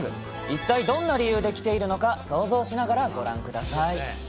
一体どんな理由で来ているのか、想像しながらご覧ください。